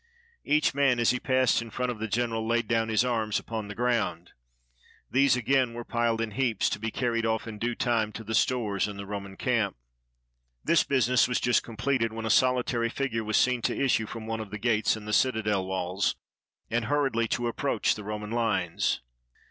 Each man as he passed in front of the general laid down his anus upon the ground. These, again, were piled in heaps, to be carried off in due time to the stores in the Roman camp. This business was just completed when a soHtary fig ure was seen to issue from one of the gates in the citadel walls, and hurriedly to approach the Roman Unes.